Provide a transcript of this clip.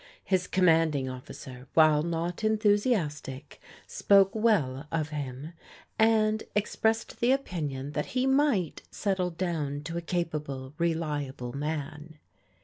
His Commanding Of ficer, while not enthusiastic, spoke well of him, and ex pressed the opinion that he might settle down to a ca pable, reliable man.